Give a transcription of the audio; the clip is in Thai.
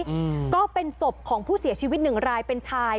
อืมก็เป็นศพของผู้เสียชีวิตหนึ่งรายเป็นชาย